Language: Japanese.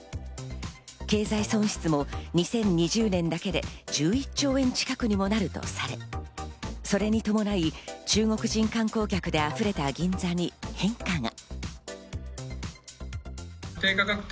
経済損失も２０２０年だけで１１兆円近くにもなるとされ、それに伴い、中国人観光客で溢れた銀座に変化が。